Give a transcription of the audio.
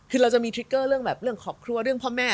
คือเราจะมีทริกเกอร์เรื่องแบบเรื่องครอบครัวเรื่องพ่อแม่